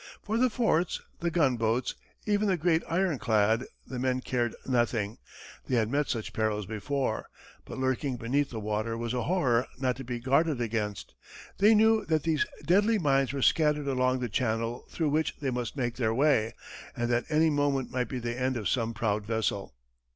For the forts, the gunboats, even the great ironclad, the men cared nothing they had met such perils before but lurking beneath the water was a horror not to be guarded against. They knew that these deadly mines were scattered along the channel through which they must make their way, and that any moment might be the end of some proud vessel.